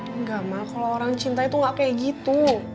enggak mah kalau orang cinta itu gak kayak gitu